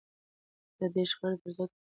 ده د شخړې پر ځای تفاهم غوښت.